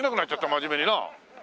真面目になあ。